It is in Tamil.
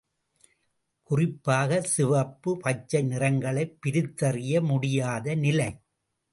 குறிப்பாகச் சிவப்பு, பச்சை நிறங்களைப் பிரித்தறிய முடியாத நிலை.